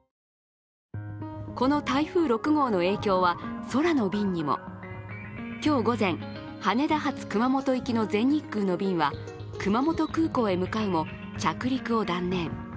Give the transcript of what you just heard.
この台風６号の影響は空の便にも今日午前、羽田発熊本行きの全日空の便は熊本空港へ向かうも、着陸を断念。